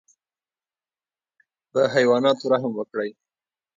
په حیواناتو رحم وکړئ